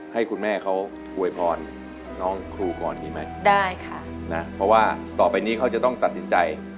ให้คุณแม่เขาอวยพรน้องครูก่อนดีไหมได้ค่ะนะเพราะว่าต่อไปนี้เขาจะต้องตัดสินใจ